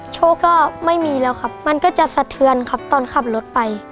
โชคก็ไม่มีแล้วครับมันก็จะสะเทือนครับตอนขับรถไป